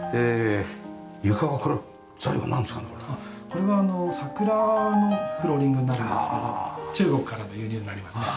これはサクラのフローリングになるんですけど中国からの輸入になりますね。